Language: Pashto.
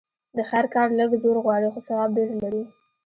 د خير کار لږ زور غواړي؛ خو ثواب ډېر لري.